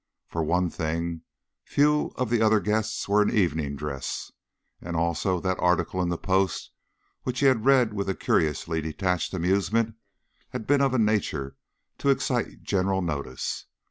For one thing, few of the other guests were in evening dress, and also that article in the Post, which he had read with a curiously detached amusement, had been of a nature to excite general notice.